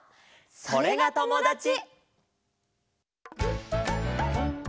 「それがともだち」！